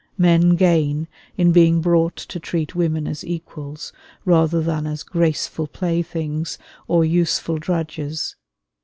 Men gain in being brought to treat women as equals, rather than as graceful playthings or useful drudges.